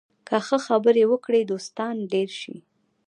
که ښه خبرې وکړې، دوستان ډېر شي